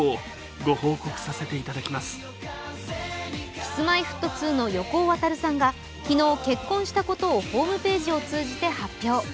Ｋｉｓ−Ｍｙ−Ｆｔ２の横尾渉さんが昨日、結婚したことをホームページを通じて発表。